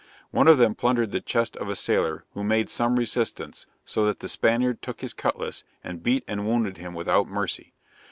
One of them plundered the chest of a sailor, who made some resistance, so that the Spaniard took his cutlass, and beat and wounded him without mercy.